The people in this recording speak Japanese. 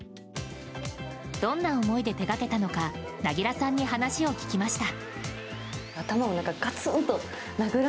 どんな思いで手掛けたのか凪良さんに話を聞きました。